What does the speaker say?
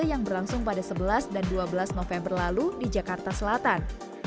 yang berlangsung pada sebelas dan dua belas november lalu di jakarta selatan